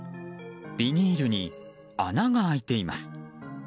ビニールに穴が開いています。